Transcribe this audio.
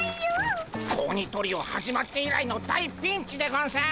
子鬼トリオ始まって以来の大ピンチでゴンス！